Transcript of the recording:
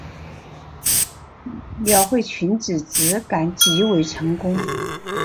描绘裙子质感极为成功